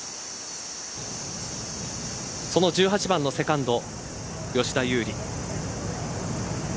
その１８番のセカンド吉田優利。